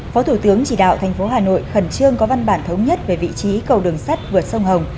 phó thủ tướng chỉ đạo tp hà nội khẩn trương có văn bản thống nhất về vị trí cầu đường sát vượt sông hồng